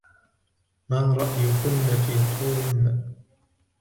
ما رأيكنّ في توم؟